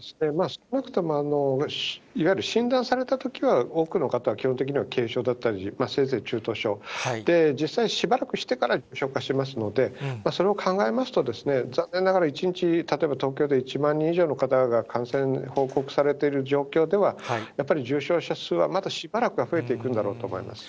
少なくともいわゆる診断されたときは、多くの方、基本的には軽症だったり、せいぜい中等症で、実際、しばらくしてから重症化していますので、それも考えますと、残念ながら１日、例えば東京で１万人以上の方が感染報告されている状況では、やっぱり重症者数は、まだしばらくは増えていくんだろうと思います。